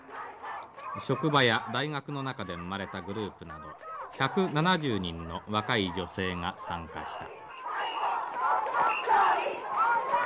職場や大学の中で生まれたグループなど１７０人の若い女性が参加した」。